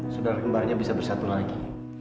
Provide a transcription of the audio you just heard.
saudara kembarnya bisa bersatu lagi